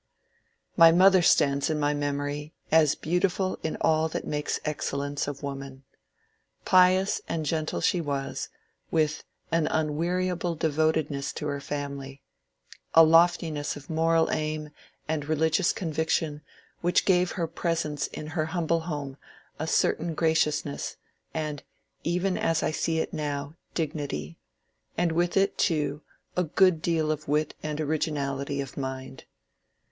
My mother stands in my memory as beautiful in all that makes excellence of woman. Pious and gentle she was, with an unweariable devotedness to her family ; a loftiness of moral aim and religious conviction which gave her presence in her humble home a certain graciousness, and, even as I see it now, dignity ; and with it, too, a good deal of wit and originality of mind.